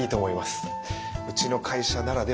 うちの会社ならではですし。